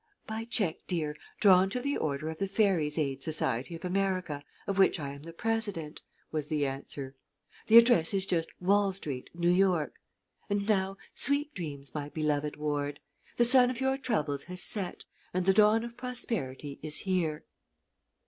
"By check, dear, drawn to the order of The Fairy's Aid Society of America, of which I am the president," was the answer. "The address is just Wall Street, New York. And now, sweet dreams, my beloved ward. The sun of your troubles has set, and the dawn of prosperity is here."